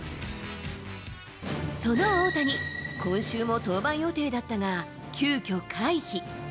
その大谷、今週も登板予定だったが、急きょ、回避。